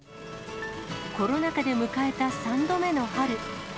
コロナ禍で迎えた３度目の春。